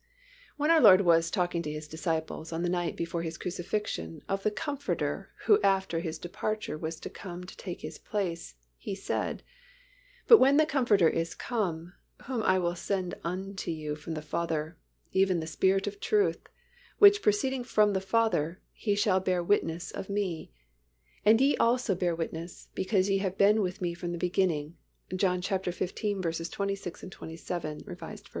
When our Lord was talking to His disciples on the night before His crucifixion of the Comforter who after His departure was to come to take His place, He said, "But when the Comforter is come, whom I will send unto you from the Father, even the Spirit of truth, which proceedeth from the Father, He shall bear witness of Me: and ye also bear witness, because ye have been with Me from the beginning" (John xv. 26, 27, R. V.)